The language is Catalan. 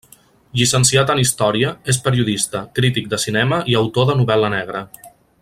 Llicenciat en història, és periodista, crític de cinema i autor de novel·la negra.